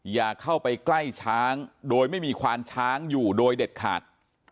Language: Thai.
อย่าเข้าไปใกล้ช้างโดยไม่มีควานช้างอยู่โดยเด็ดขาด